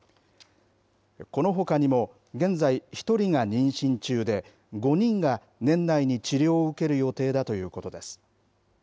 このほかにも、現在、１人が妊娠中で、５人が年内に治療を受ける予定だということです。